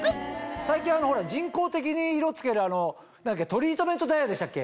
最近人工的に色付けるトリートメントダイヤでしたっけ？